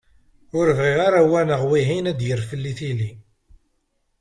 Ur bɣiɣ ara wa neɣ wihin ad d-yerr fell-i tili.